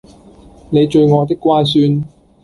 你最愛的乖孫